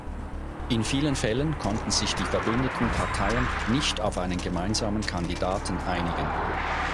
In vielen Fällen konnten sich die verbündeten Parteien nicht auf einen gemeinsamen Kandidaten einigen.